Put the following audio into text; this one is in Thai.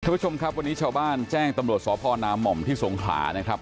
ผู้ชมครับวันนี้ชาวบ้านแจ้งตำรวจสพนาม่อมที่สงขลานะครับ